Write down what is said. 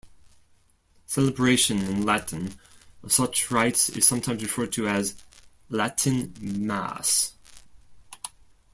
Celebration in Latin of such rites is sometimes referred to as "Latin Mass".